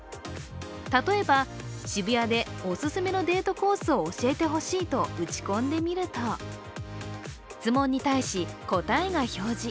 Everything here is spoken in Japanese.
例えば、「渋谷でオススメのデートコースを教えてほしい」と打ち込んでみると質問に対し答えが表示。